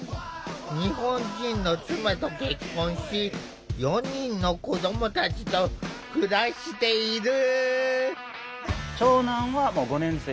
日本人の妻と結婚し４人の子どもたちと暮らしている。